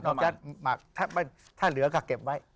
จะหมักถ้าเหลือก็เก็บไว้